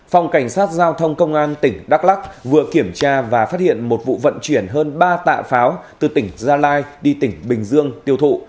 phòng cảnh sát giao thông công an tỉnh đắk lắc vừa kiểm tra và phát hiện một vụ vận chuyển hơn ba tạ pháo từ tỉnh gia lai đi tỉnh bình dương tiêu thụ